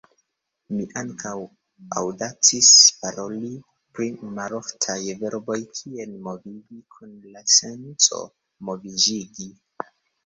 Mi ankaŭ aŭdacis paroli pri maloftaj verboj kiel "movigi" kun la senco "moviĝigi".